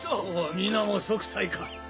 皆も息災か？